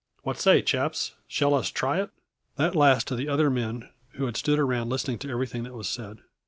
What say, chaps, shall us try it?" This last to the other men, who had stood around listening to everything that was said.